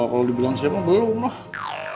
kalau dibilang siapa belum lah